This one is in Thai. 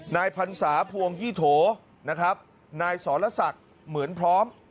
พันศาพวงยี่โถนะครับนายสรศักดิ์เหมือนพร้อม